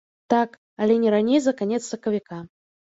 Так, але не раней за канец сакавіка.